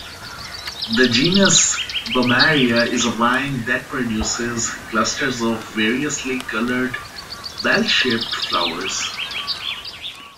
The genus "Bomarea" is a vine that produces clusters of variously-colored, bell-shaped flowers.